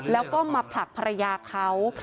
แล้วก็มาผลักภรรยาเขา